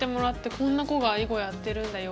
「こんな子が囲碁やってるんだよ」